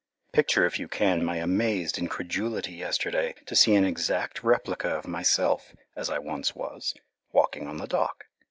Picture if you can my amazed incredulity yesterday to see an exact replica of myself as I once was, walking on the dock.